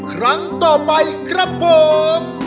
ครั้งต่อไปครับผม